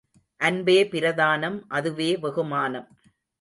அன்பே பிரதானம் அதுவே வெகுமானம்.